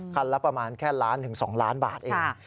ละประมาณแค่ล้านถึง๒ล้านบาทเอง